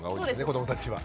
子どもたちは。